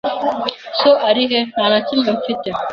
"So ari he?" "Nta na kimwe mfite."